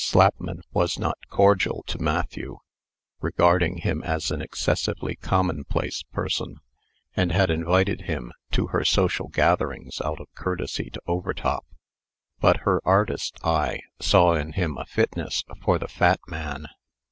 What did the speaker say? Slapman was not cordial to Matthew, regarding him as an excessively commonplace person, and had invited him to her social gatherings out of courtesy to Overtop; but her artist eye saw in him a fitness for the fat man.